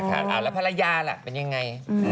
แล้วภรรยาล่ะเป็นยังไง